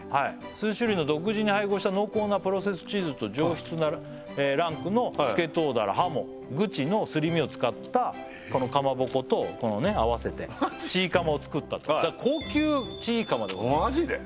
数種類の独自に配合した濃厚なプロセスチーズと上質なランクのスケトウダラハモグチのすり身を使ったこのかまぼこと合わせてチーかまを作ったと高級チーかまでございます